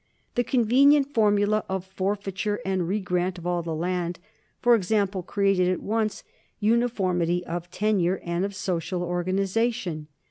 The convenient formula of forfeiture and regrant of all the land, for example, created at once uniformity of tenure and of social organization.